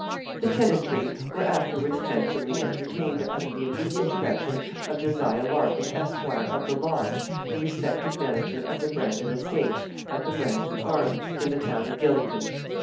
The tenantry were afterwards handsomely entertained under the immediate direction of Josiah Larkin, Esq., of the Lodge, the respected manager of the Brandon estates, at the "Brandon Arms," in the town of Gylingden.